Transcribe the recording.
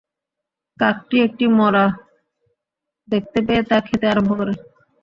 কাকটি একটি মড়া দেখতে পেয়ে তা খেতে আরম্ভ করে।